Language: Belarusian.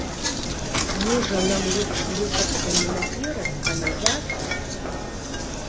Можа, нам лепш рухацца не наперад, а назад?